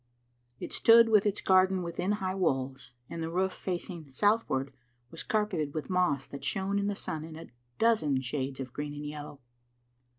It stood with its garden within high walls, and the roof facing southward was carpeted with moss that shone in the sun in a dozen shades of green and yellow.